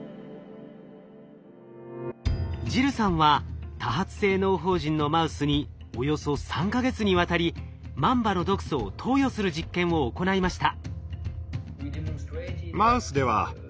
ジルさんは多発性嚢胞腎のマウスにおよそ３か月にわたりマンバの毒素を投与する実験を行いました。